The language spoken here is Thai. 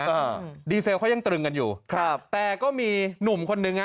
อ่าดีเซลเขายังตรึงกันอยู่ครับแต่ก็มีหนุ่มคนนึงฮะ